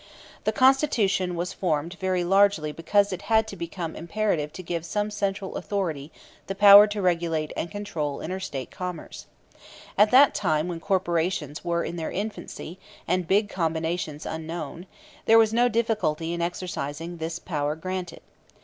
The Constitution was formed very largely because it had become imperative to give to some central authority the power to regulate and control interstate commerce. At that time when corporations were in their infancy and big combinations unknown, there was no difficulty in exercising the power granted.